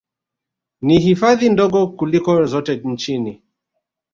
Ni hifadhi ndogo kuliko zote nchini